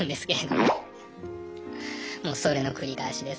もうそれの繰り返しですね。